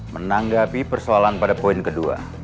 menanggapi persoalan pada poin kedua